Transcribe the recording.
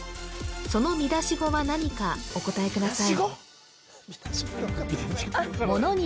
その見出し語は何かお答えください